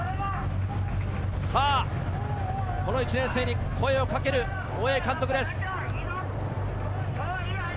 さぁこの１年生に声をかける大八木監督です。